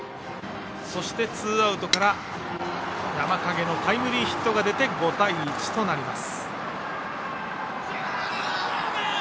そして、ツーアウトから山蔭のタイムリーヒットが出て５対１となります。